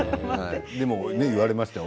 言われましたよ